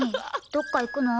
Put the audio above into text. どっか行くの？